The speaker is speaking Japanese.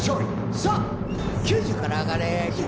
さぁ９０から上がれ９０！